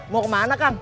mau kemana kang